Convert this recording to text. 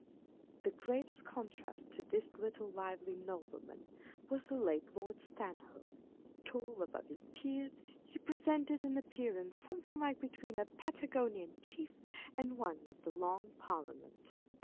The greatest contrast to this little lively nobleman was the late Lord Stanhope. Tall above his peers, he presented 302 On the Look of a Gentleman. an appearance something between a Patagonian chief and one of the Long Parliament.